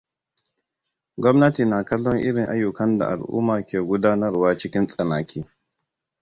Gwamnati na kallon irin ayyukan da al'uma ke gudanarwa cikin tsanaki.